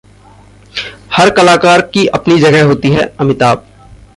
हर कलाकार की अपनी जगह होती है: अमिताभ